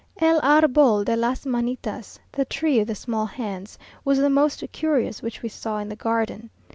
El Arbol de las Manitas (the tree of the small hands) was the most curious which we saw in the garden.